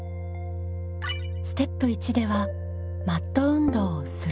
ステップ１ではマット運動を「する」